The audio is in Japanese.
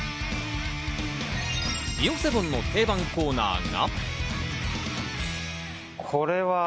ビオセボンの定番コーナーが。